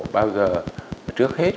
bao giờ trước hết